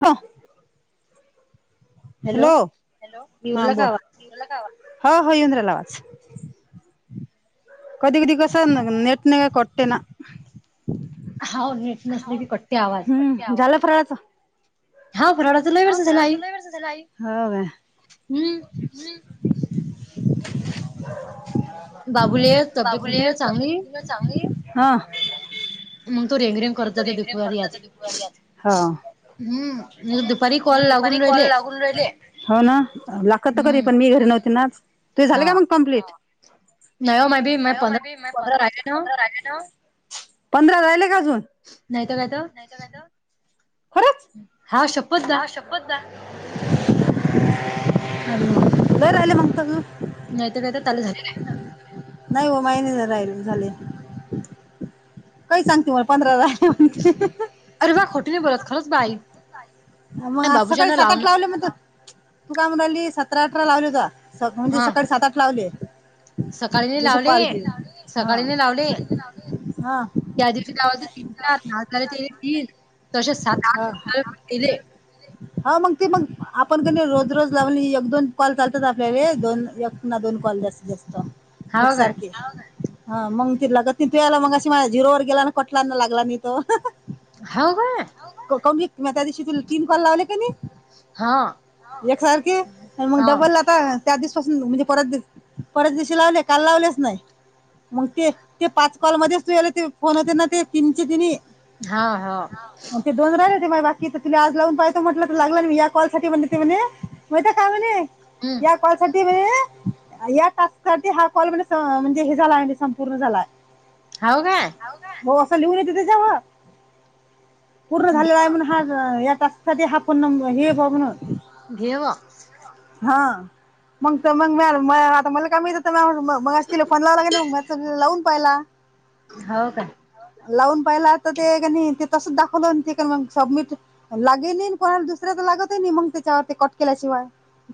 आ hello हा बोल हा होय येऊन राहिला आवाज. कधी-कधी कसं न नेट नाय ग कटते ना. हम्म झालं पुरवचा? हा पूर्वाडा हा फराड तर लय वर्ष झालं आई हो बाई. हं म [unintelligible] बाबूले तबेत चांगली हाय हा. मग तो रेगरेम करत्यात दुपारी आज हा. हम्म नाही तर दुपारी हो ना लागतं तर खरी पण मी घरी नव्हते ना आज. तुझं झालं का मंग कंप्लीट? पंधरा राहिले का अजून? नाहीत काय तो खरंच हा शप्पथ दा. लई राहिले मगता ग. नाही तर काहीतर त्यालं झालेला आहे. नाही हो माझं नाही राहिलं झाले. काय सांगते मला पंधरा राहिले म्हण की. अरे वाह खोटी नाय बोलत खरंच बाई. म आज सकाळी सात-आठ लावले मग तू काय म्हणाली सतरा अठरा लावले जा. म्हणजे स सकाळी सातजे-आठ लावलीय. सकाळी नी लावली, सकाळी नी लावली. हा. त्या दिवशी गवती तीन चार झाले तेले तीन तसे सात आठले [unintelligible] [unintelligible] हो मग ते मग आपण कध रोज रोज लावली एक दोन कॉल चालतात आपल्या दोन एक दोन कॉल जासत जास्त एकसारखी हा मग तिला त तू याला मग अशी माझ झिरोवर गेला ना कटला न लागला नी तो. हाव काय? [unintelligible] त्या दिवशी तुला तीन कॉल लावले क णाई? एक सारखी आणि मग डबल लाग त्या त्या दिवस पासून म्हणजे परत परवा दिवशी लावले काल लावलेच नाय. मग ते ते पाच कॉलमध्ये [unintelligible] चला ते फोन होते ना ते तीनचे तिनी. हा हा. मग ते दोन राहिले ती माय बा कि तुला आज लावून पाहितो म्हटलं तर लागला मी या कॉल साठी म्हण म्हणे माहित काय म्हणे [unintelligible] या टास्क साठी हा कॉल म्हने म्हणजे हे झालाय आणि संपूर्ण झालाय. हाव काय? हो असं लिहून येतं त्याच्यावर, पूर्ण झालेला आहे म्हणून हा [unintelligible] घेवा हां, मग मग म आता मला काय मा मगाशी तिला फोन लावला नाही मग लावून पाहिला. [unintelligible] हौ का? लावून पाहिला तर ते का नाही ते तसच दाखवलं ते का मग सबमिट लागेल नाही कोणाला दुसऱ्या तर लागतही नाही मग त्याच्यावर ते कट केल्याशिवाय.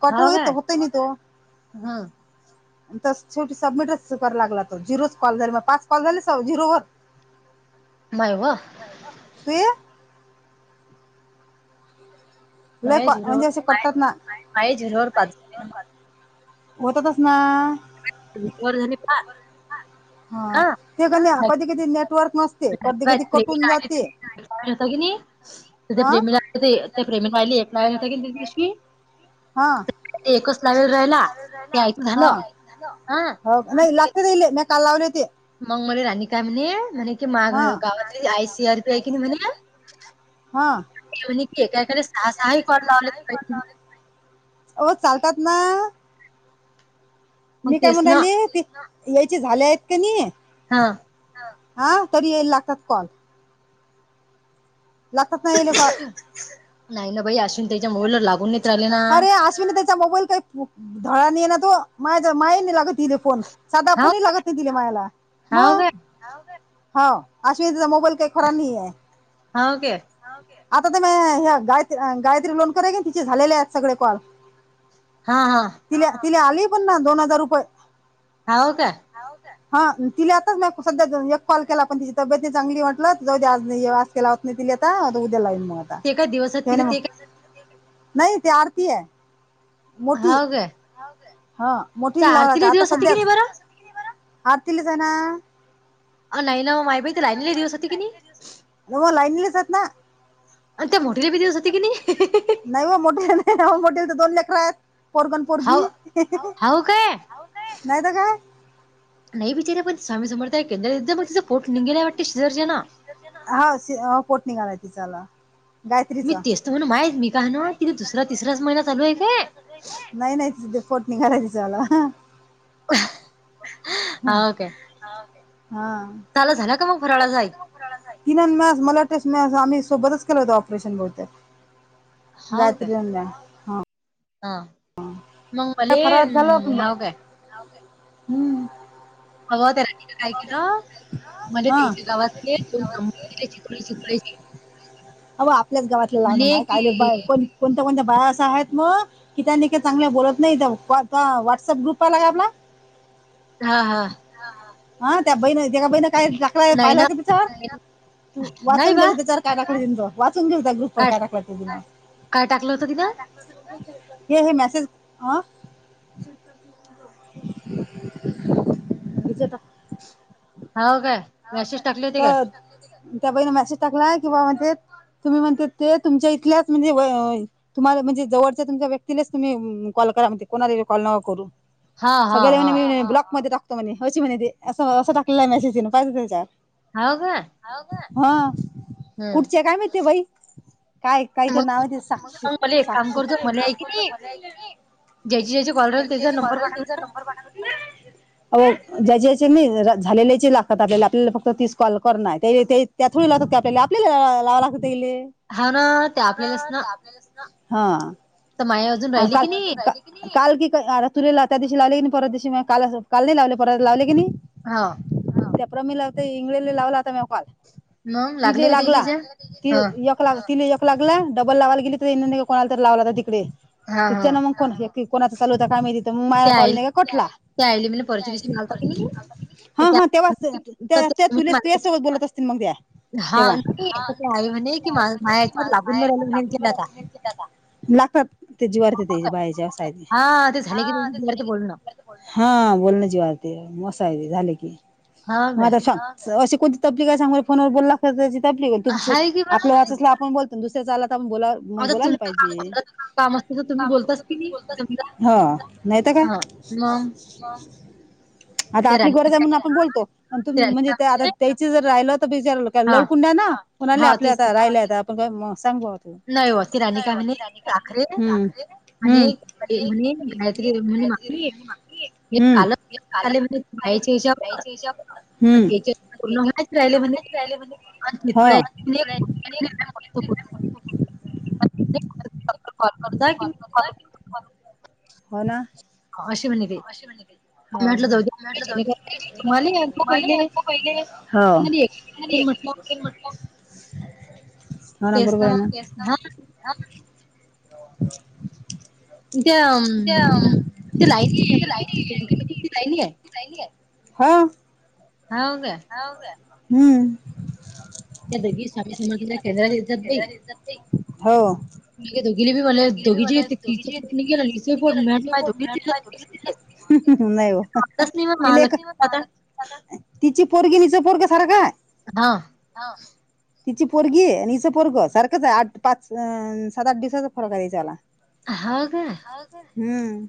कट ही होत नाय तो [unintelligible] तस शेवटी सबमिटच करा लागला तो झिरोच कॉल झाली माझ पाच कॉल झाले झिरोवर [inaudible] मायव् तुया [unintelligible] लै म्हणजे असे कटतात ना होतात तस ना वर्धनीपा [unintelligible] हा ते कध कधी कधी नेटवर्क नस प्रे होत की नाही तर प्रेमीला [unintelligible] ते प्रेममी पाहिले एकला होता दिवशी [unintelligible] हां. ह हो नाही लागते नीयले [unintelligible] काल लावलि होती. मंग मले राणी काय म्हणे म्हणे कि मा गावातली I C R P I कि नाही म्ह हा. की एकायकडे सहा सहा कॉल लावलेत [unintelligible] हो चालतात ना. मी काय म्हणून रायली ते यायचे झाल्या आहेत कनयी हा. हा तरी येय लागतात कॉल. लागतात ना यायला कॉल नाय ना बाई अश्विनी ताईच्या मोबाईलवर लागून नाय रायलेत ना [unintelligible] मोबाईल कायी धलानी ये ना तो माय माय नाही लागत पिले सागा फोन लागत नाय मायाले मग [inaudible] हो अश्विनीचा ताई चा मोबाईल काही खरा नाही आहे. आता ते म ह्या गात्री गायत्री लोन कराय की न तिचे झालेले आहेत सगळे कॉल. हा हा. तिले तिला आली पण ना दोन हजार रुपये. हाव का? हाउच आहे. हा तिला आताच म सध्या एक कॉल केला पण तिची तब्येत नाय चांगली वाटलं जाऊ दे आज नाय येऊ त्या लावत नी तिली आता उद्या लाईन मग. ते काय दिवसात होतील ते का नाही ते आरती आहे मोठी. हा मोठीला लाव आता सध्याच आरतीलेच आहे ना. अ नाही ना हो माय बाई ती लाइनली दिवस होती की नी. म लाईनलीच आहेत ना. आणि त्या मोठले बी दिवस होती की नी. नाही ओ मोठीले नाही ना मोठेला तर दोन लेखरा आहेत. पोरगा अन पोरगी नाही तर काय. नाही बिचार्या पण स्वामी समर्था केंद्रात [unintelligible] पोट निगाले वाटते शिजर्जना. हा सी पोट निघालाय तिचाला. मी तेच तो म्हणो माय मी का ना तिने दुसरा तिसराच महिना चालू आहे काय? नाही नाही तिचा पोट निघाला तीचाला. हा काय? हा. त्याला झाला का मग फराळा जाई? तिना अन माझ मला वाटतेस म आम्ही सोबतच केलं होतं ऑपरेशन बहुतेक. गायत्री ज्यांना आं मंग वाले उम हाव काय? हम्म. हवा तरांनी [inaudible] मला त्याचे गावातले दोनं. [unintelligible] अव आपल्याच गावातले आन माय कायले बाय कोण कोणत्या कोणत्या भासा आहेत म तिथान ठेकी चांगलं बोलत नाही त्याव [unintelligible] व्हॉट्सअप ग्रुपाला गं आपला. हा हा. हा त्या बहिण त्या बहीण काय चाकला पाहिलं हो त्याच्यावर तू वाचून गेलं त्याच्यावर त्यांना कडिन जा वाचून घेऊ त्या ग्रुपवर काय टाकलं तिनं. हे हे मेसेज आं हिच्या टाक हाव काय? हाव तर त्या बाई ना मेसेज टाकला आहे किंवा म्हणते तुम्ही म्हणते ते तुमच्या इथल्याच म्हणजे वय तुम्हाला म्हणजे जवळच्या तुमच्या व्यक्तीलाच तुम्ही उम कॉल करा म्हणते, कोणालाबी कॉल नाव करू. सगळ्या जणे मीने ब्लॉक मध्ये टाकतो म्हणे अशी म्हणे ती असं असं टाकलेलं मॅसेज तिनं. पाच दिजार हाव का? हा कुठचे आहे काय माहीते बाई. काय काय काही तर नाव आहे ते साक्षी साक्षी. ज्याचे ज्याचे [unintelligible] त्याचा नंबर बनल अव ज्याच्याचे रा मी झालेल्याचे ला तात आपल्याला आपल्याला फक्त तीस कॉल करणा आहे ते ते त्या थोडी लावतात क आपल्याला आपल्याला लावं लागतेले. खरं त्या आपल्यास ना हा आणि का का काल की आ तुला त्या दिवशी लावले की नाही परत दिवशी काल काल नाही लावले परत लावले की नी? हाव. प्रमीला ताई इंगळेले लावला आता मी कॉल तिले लागला ती यक कला तीले एक लागला डबल लावायला गेली तर यांनी नाय कोणाला तर लावला तिकडे तिचा न मग कोण हे की कोणाच चालू होता काय माहीती. त्यामुळे माझा कॉल नी का कटला हां हां तेव्हाच. त्या त्या तुले तुझ्यासोबत बोलत असतील मग द्या. तेव्हा लागतात ते जिवावरती त्या बाईचा साय बरं ते बोल न. हा बोलणं जे आहे ते मसाय झाले की. म आता शा अशी कोणती तबलीक आहे सांगा फोनवर बोलला? तर त्याची तबलीक तुमचं आपलं असचला आपण बोलतो दुसऱ्याचा आला तर आपण बोला मग बोलायला पाहिजे हा नाहीत काय. म आता आपली गरज आहे म्हणून आपण बोलतो पण तुम्ही म्हणजे त्या आता त्याचा जर राहिल तर बिचारायला काय लवकुंडा ना कोणाले आपल्या आता राहिलेय आता आपण काय म सांगा हम्म हम्म. हम्म. हम्म. हा. हो ना. हाव काय? हा. हा ना बरोबर आहे ना. [inaudible] [unintelligible] हा. हाव काय? हम्म. त्या दोगी स्वामी समर्थांचा केंद्रात येतात बाई. निगे दोघीली बी म्हटलंय दोघीची ती तिची. [unintelligible] नाय हो तिला एक तिची पोरगी आणि हिचा पोरगं सारखा आहे. हा. तिची पोरगी आणि हिचा पोरगा सारखंच आहे आठ, टाच आं सात-आठ दिवसाचा फरक आहे हिचाला. हाव काय? हम्म.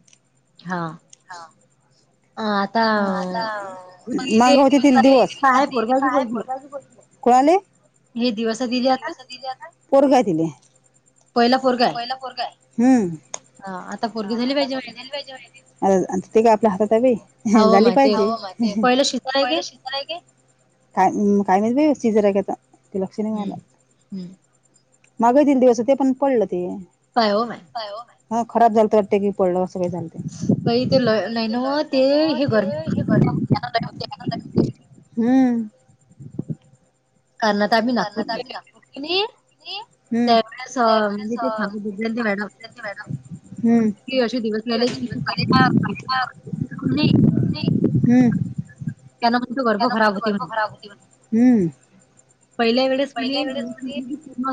हा. [inaudible] मग होती तील दिवस. कोळाले हे दिवस पोरगाय आहे तिले हम्म. आता त ते काय आपल्या हातात आहे बाई झाली पाहिजे. पहिला शिजर आहे की? काय म काय माहीत बाई शिजर आहे का काय. सिनेमाला माग हा तीन दिवस होते पण पडलं ते. काय ओ [unintelligible] काय हो बाई. हं खराब झालत वाटतं की पडलो सगळे जण. [inaudible] हम्म. कारण आता आम्ही नागपूर गेलेलो की नी जी हम्म [unintelligible] मॅडम हम्म. हम्म, हम्म. पहिल्या वेळेस म्हणें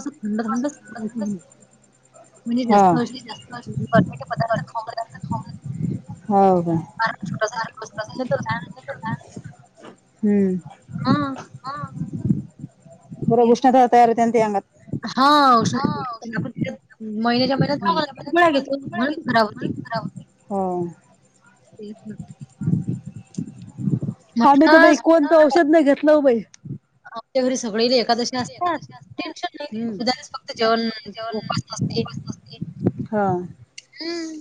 [inaudible] थंड थंडच [unintelligible] म्हणजे जास्त [unintelligible] पदार्थ खाऊ न हाव काय? [unintelligible] नंतर काय हम्म. हा. हा. परत उष्णता तयार होते ना ते अंगात. हा औषध [unintelligible] महिन्याच्या परत का [unintelligible] म्हणूनच खराब होती, तेच ना. आम्ही तरं बाई कोणतं औषध नाही घेतलं बाई. हा. [unintelligible] घरी सगळी एकादशी असतात टेन्शन नाही. उद्याच फक्त जेवण उपास असते. हा. हम्म.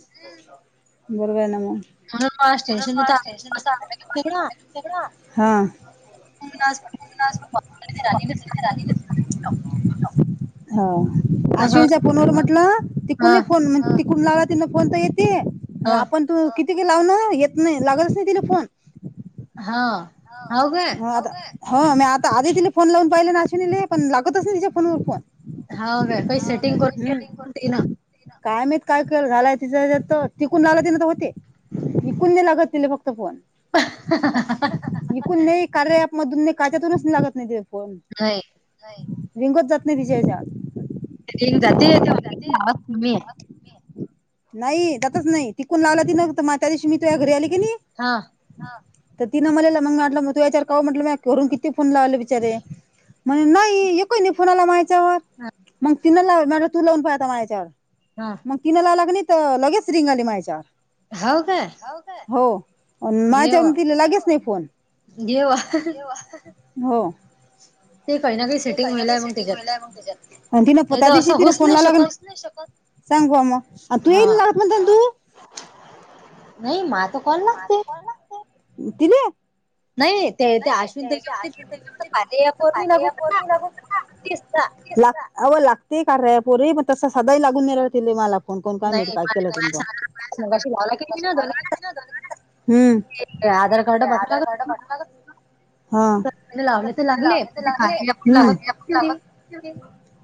बरं आहे ना मग. हा. [unintelligible] हा. अश्विनीच्या फोनवर म्हटलं ती कोणी फोन तिकडून लावला तिनं फोन तरं येती. आपणं तू किती बी लाव ना येत नाही लागतच नाही तिला फोन. हा आता हो मी आता आधी तिला फोन लावून पाहिले आणि अश्विनीले पण लागतच नाही तिच्या फोनवर फोन. हाव काय काही सेटिंग करून गेल तीनं काय माहित काय करून राहील तिझं तिकून लावला तीनं तर होते. हिकुन नाही लागत तिले फक्त फोन. [inaudible] हिकून नाही कार्या ऍपमधून नाही काच्यातूनच लागत नाही तिला फोन. नाही रिंगच जात नाही तिच्या हेच्यावर रिंग जाते येते [unintelligible] आवाज कमी आहे. नाही जातच नाही तिकून लावला तिनं तर मा त्या दिवशी मी तुझां घरी आली की नाही हा. तर तिनं म्हणलेले, मग म्हटलं मग तू याच्यावर काहून म्हटलं मग घरून किती फोन लावले बिचारे. म्हण नाही एकही फोन आला माय हेच्यावर, मग तिन ला म्हंटल तू लावून पहा आता माय हेच्यावर. हा. मग तिन लावला तर लगेच रिंग आली माझ्या हेच्यावर हाव काय? होयं काय? हो. आणि माझ्या याच्यावरून तिला लागेच नाही फोन. हो. ते कळेना ना काहीच आणि तिनं त्या दिवशी तिनं फोनला सांगू आ म आ तु येइल ना. [unintelligible] नाही मा तिले नाही ते त्या अश्विन त्याच्यामध्येले [inaudible] कार्या ऐप वर नी लागू [inaudible] असता. ला अवं लागते का रे पोरी पण तस साधाही लागुन नाही राहिला तीने मला कोण कोण काय माहिती काय केलं जाऊन. हम्म. हा,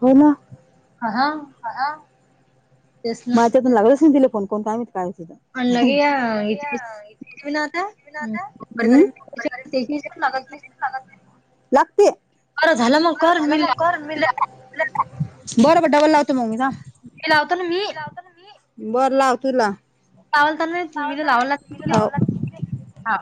हो ना. आ हा. आ हा. माझ्याच्यातून लागलाच नाय तिला फोन कोण काय माहित काय विचारतय. उम लागते बरं झालं मग कर मी. [inaudible] बरं डबल लावतो मी मग थांब. बरं लाव तुला. लावल तर नायेत मीला लावला [inaudible] हां.